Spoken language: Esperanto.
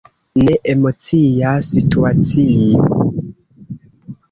Ne, emocia situacio!